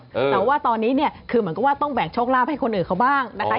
แต่ว่าตอนนี้เนี่ยคือเหมือนกับว่าต้องแบ่งโชคลาภให้คนอื่นเขาบ้างนะคะ